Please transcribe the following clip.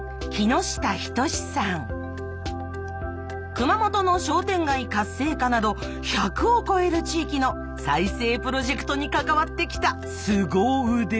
熊本の商店街活性化など１００を超える地域の再生プロジェクトに関わってきたすご腕です。